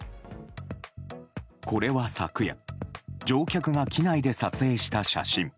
これは昨夜乗客が機内で撮影した写真。